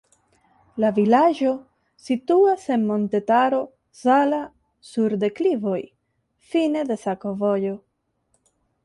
La vilaĝo situas en Montetaro Zala sur deklivoj, fine de sakovojo.